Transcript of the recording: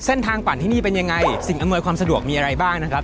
ปั่นที่นี่เป็นยังไงสิ่งอำนวยความสะดวกมีอะไรบ้างนะครับ